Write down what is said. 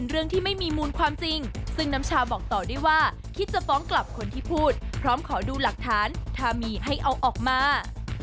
เอาออกมา